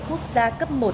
quốc gia cấp một